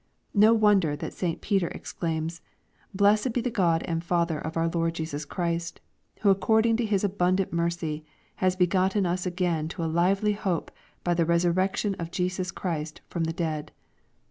No wonder that St. Peter exclaims, *' Blessed be the God and Father of our Lord Jesus Christ, who according to His abundant mercy, has begotten us again to a lively hope by the res urrection of Jesus Christ from the dead."